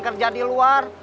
kerja di luar